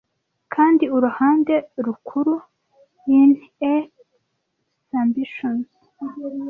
Kandi uruhande rukurura; in a Symbionts